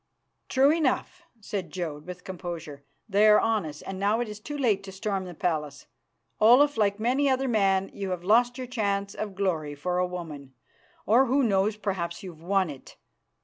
"True enough," said Jodd, with composure. "They are on us, and now it is too late to storm the palace. Olaf, like many another man, you have lost your chance of glory for a woman, or, who knows, perhaps you've won it.